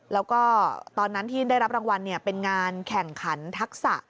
แล้วก็ตอนนั้นที่ได้รับรางวัลเป็นงานแข่งขันทักษะ